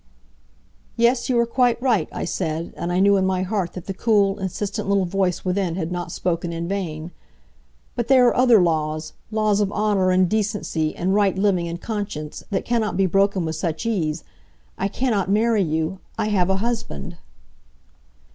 "Yes; you are quite right," I said, and I knew in my heart that the cool, insistent little voice within had not spoken in vain. "But there are other laws laws of honor and decency, and right living and conscience that cannot be broken with such ease. I cannot marry you. I have a husband."